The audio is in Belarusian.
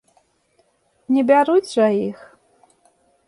Не бяруць жа іх.